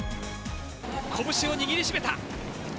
拳を握りしめた。